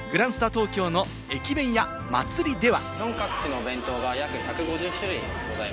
東京の「駅弁屋祭」では。